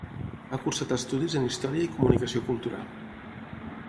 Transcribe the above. Ha cursat estudis en Història i Comunicació Cultural.